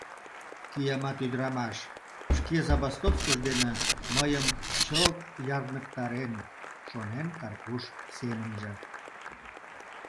«Киямат ӱдырамаш, шке забастовкыж дене мыйым чылт ярныктарен», — шонен Карпуш семынже.